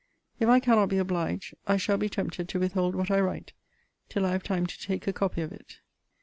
If I cannot be obliged, I shall be tempted to withhold what I write, till I have time to take a copy of it.